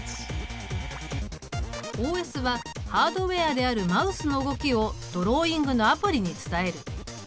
ＯＳはハードウェアであるマウスの動きをドローイングのアプリに伝える。